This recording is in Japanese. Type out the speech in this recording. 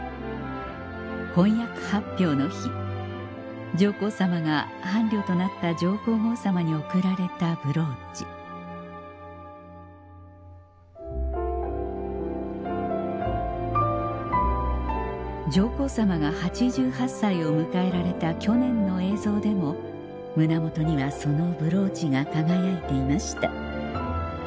婚約発表の日上皇さまが伴侶となった上皇后さまに贈られたブローチ上皇さまが８８歳を迎えられた去年の映像でも胸元にはそのブローチが輝いていました